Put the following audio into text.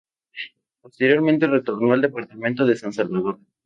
Posteriormente retornó al departamento de San Salvador.